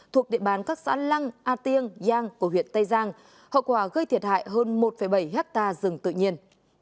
thuộc địa bàn các xã lăng a tiêng giang của huyện tây giang hậu quả gây thiệt hại hơn một bảy hectare rừng tự nhiên